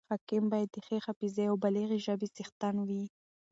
حاکم باید د ښې حافظي او بلیغي ژبي څښتن يي.